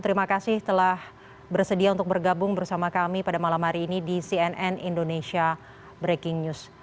terima kasih telah bersedia untuk bergabung bersama kami pada malam hari ini di cnn indonesia breaking news